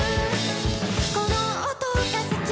「この音が好き」